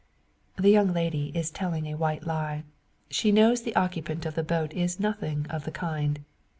The young lady is telling a "white lie." She knows the occupant of that boat is nothing of the kind.